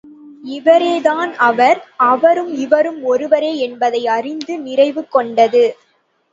இவரே தான் அவர்! அவரும் இவரும் ஒருவரே என்பதை அறிந்து நிறைவு கொண்டது.